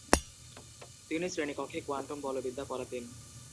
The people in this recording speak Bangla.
তিনি শ্রেণিকক্ষে কোয়ান্টাম বলবিদ্যা পড়াতেন।